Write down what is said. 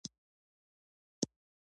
د بدن درملنه د حجرو له ودې ده.